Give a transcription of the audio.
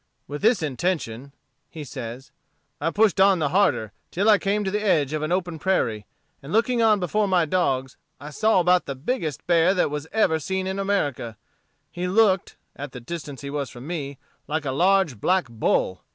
"With this intention," he says, "I pushed on the harder, till I came to the edge of an open prairie; and looking on before my dogs, I saw about the biggest bear that ever was seen in America. He looked, at the distance he was from me, like a large black bull.